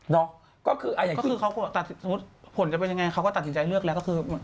เนาะก็คือสมมุติผลจะเป็นยังไงเขาก็ตัดสินใจเลือกแล้วก็คือ